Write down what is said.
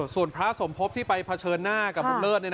ส่วนพระสมภพที่ไปเผชิญหน้ากับบุญเลิศ